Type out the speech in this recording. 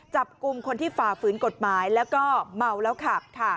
จับกลุ่มคนที่ฝ่าฝืนกฎหมายแล้วก็เมาแล้วขับค่ะ